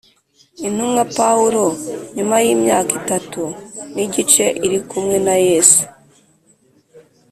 intumwa Pawulo Nyuma y imyaka itatu n igice irikumwe na Yesu